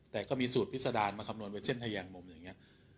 แต่ก็มีสูตรพิษดารมาคำนวณเป็นเส้นทะยางนมอย่างนี้